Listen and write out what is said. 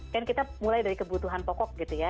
kan kita mulai dari kebutuhan pokok gitu ya